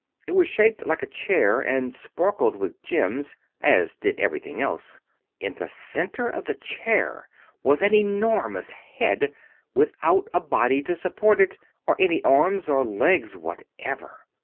It was shaped like a chair and sparkled with gems, as did everything else. In the center of the chair was an enormous Head, without a body to support it or any arms or legs whatever.